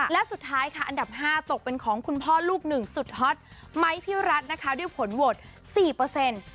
และสุดท้ายค่ะอันดับ๕ตกเป็นของคุณพ่อลูกหนึ่งสุดฮอตไมค์พี่รัฐนะคะด้วยผลโหวตสี่เปอร์เซ็นต์